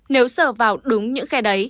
nếu sờ vào đúng những khe đấy